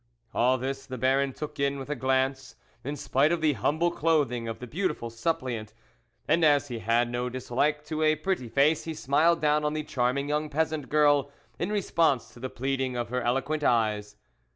All this the Baron took in with a glance, in spite of the humble clothing of the beautiful suppliant, and as he had no dislike to a pretty face, he smiled down on the charming young peasant girl, in response to the pleading of her eloquent eyes.